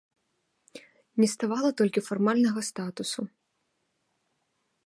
Не ставала толькі фармальнага статусу.